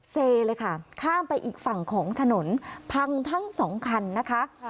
เซเลยค่ะข้ามไปอีกฝั่งของถนนพังทั้งสองคันนะคะ